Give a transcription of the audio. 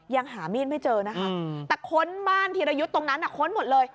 ยังหามีดไม่เจอนะคะแต่ค้นบ้านธีรยุทธ์ตรงนั้นค้นหมดเลย